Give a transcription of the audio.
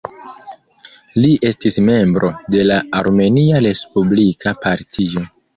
Li estis membro de la Armenia Respublika Partio.